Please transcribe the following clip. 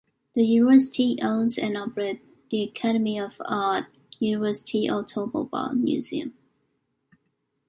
The university owns and operates the Academy of Art University Automobile Museum.